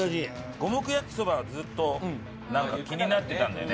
五目焼そばずっとなんか気になってたんだよね。